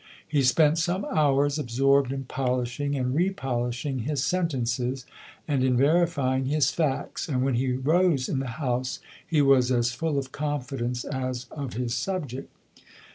He spent some hours absorbed in polishing and repolishing his sentences, and in verifying his facts; and, when he rose in the House, he was as full of confidence as of his subject.